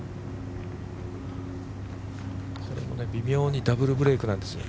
これも微妙にダブルブレークなんですよ。